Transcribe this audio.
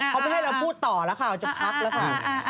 เขาไม่ให้เราพูดต่อแล้วค่ะจะพักแล้วค่ะ